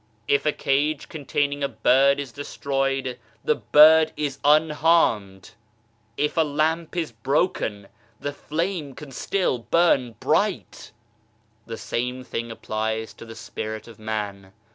If a cage containing a bird is destroyed, the bird is unharmed ! If a lamp is broken, the flame can still burn bright t The same thing applies to the Spirit of man.